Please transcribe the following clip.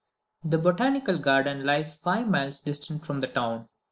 The Botanical Garden lies five miles distant from the town.